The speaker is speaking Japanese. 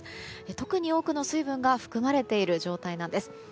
特に多くの水分が含まれている状態なんです。